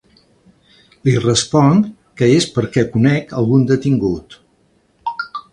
Li responc que és perquè conec algun detingut.